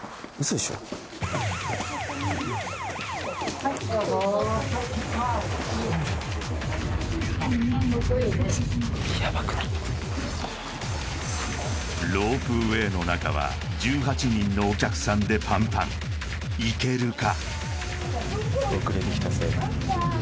はいどうぞロープウェイの中は１８人のお客さんでパンパンいけるか？